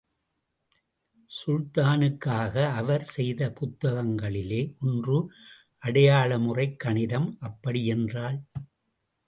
சுல்தானுக்காக அவர் செய்த புத்தகங்களிலே ஒன்று அடையாள முறைக் கணிதம். அப்படி யென்றால்...?